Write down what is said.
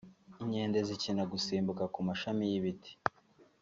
inkende zikina gusimbuka ku mashami y’ibiti